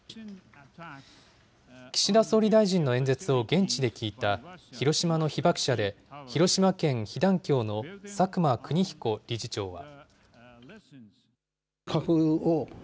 岸田総理大臣の演説を現地で聞いた広島の被爆者で広島県被団協の佐久間邦彦理事長は。